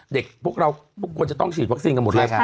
เด็กพวกเรามันจะต้องฉีดวัคซีน